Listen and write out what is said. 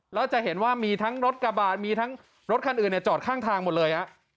แล้วจะเห็นว่ามีทั้งรถกระบาดมีทั้งรถคันอื่นจอดข้างทางหมดเลย